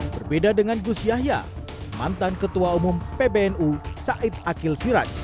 berbeda dengan gus yahya mantan ketua umum pbnu said akil siraj